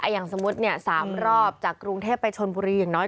อย่างสมมุติ๓รอบจากกรุงเทพไปชนบุรีอย่างน้อย